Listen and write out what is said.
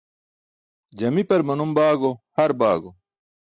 Jamipar manum baago har baago.